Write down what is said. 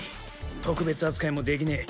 特別扱いもできねえ。